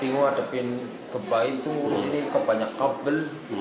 nanti mau hadapin gempa itu kebanyakan kabel